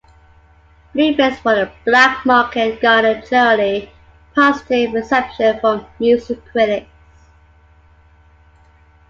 "Blueprints for the Black Market" garnered generally positive reception from Music critics.